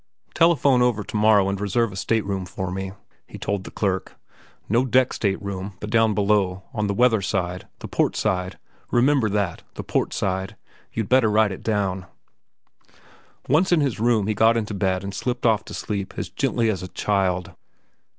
"Telephone over to morrow and reserve a stateroom for me," he told the clerk. "No deck stateroom, but down below, on the weather side,—the port side, remember that, the port side. You'd better write it down." Once in his room he got into bed and slipped off to sleep as gently as a child.